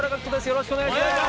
よろしくお願いします。